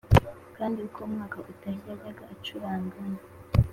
Kandi uko umwaka utashye yajyaga acuragana i